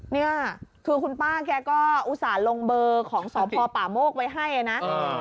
เนี่ยคือคุณป้าแกก็อุตส่าห์ลงเบอร์ของสพป่าโมกไว้ให้นะ